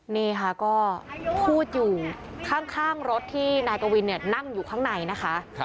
นี่ค่ะก็พูดอยู่ข้างรถที่นายกวินนั่งอยู่ข้างในนะคะ